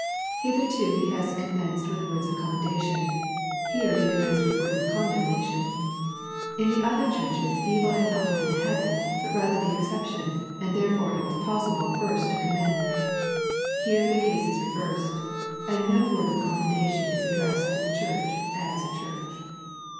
Hitherto He has commenced with words of commendation. Here He commenced with words of condemnation. In the other churches evil had not been the habit, but rather the ex ception, and therefore it was possible first to commend. Here the case is reversed, and no word of commendation is addressed to the church as a church.